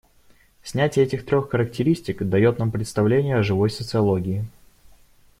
Снятие этих трех характеристик, дает нам представление о живой социологии.